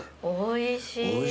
おいしい。